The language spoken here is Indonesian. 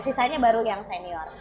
sisanya baru yang senior